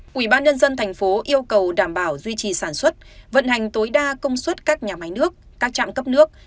quỹ ban nhân dân thành phố yêu cầu đảm bảo duy trì sản xuất vận hành tối đa công suất các nhà máy nước các trạm cấp nước